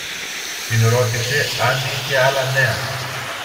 Την ρώτησε αν είχε άλλα νέα.